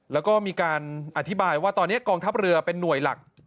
แล้วก็มีการอธิบายว่าตอนนี้กองทัพเรือเป็นหน่วยหลัก